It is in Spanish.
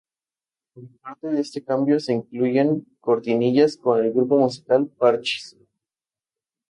Como parte de este cambio se incluyen cortinillas con el grupo musical Parchís.